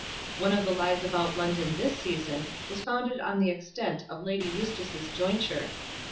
One of the lies about London this season was founded on the extent of Lady Eustace's jointure.